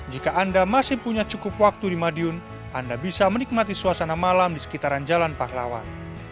jika anda masih punya cukup waktu di madiun anda bisa menikmati suasana malam di sekitaran jalan pahlawan